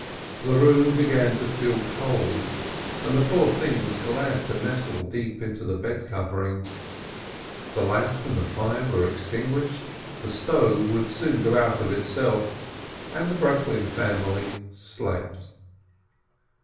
The room began to feel cold, and the poor little thing was glad to nestle deep into the bedcoverings. The lamp and the fire were extinguished, the stove would soon go out of itself, and the Breklin family slept.